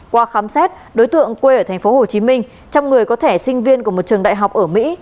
qua khám xét đối tượng quê ở tp hcm trong người có thẻ sinh viên của một trường đại học ở mỹ